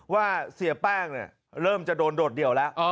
ว่าเสียแป้งเริ่มจะโดนโดดเดี่ยวแล้ว